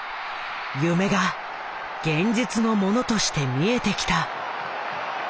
夢が現実のものとして見えてきた。